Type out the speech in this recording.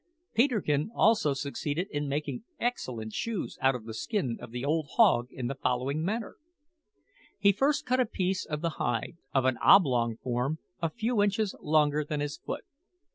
Peterkin also succeeded in making excellent shoes out of the skin of the old hog in the following manner: He first cut a piece of the hide, of an oblong form, a few inches longer than his foot.